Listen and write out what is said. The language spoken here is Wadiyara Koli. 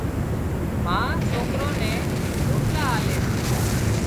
ما سوڪران نين روٽلا آلي سي